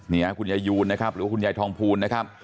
คุณยายยูนนะครับหรือว่าคุณยายทองภูลนะครับ